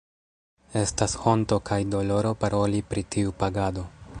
Estas honto kaj doloro paroli pri tiu pagado.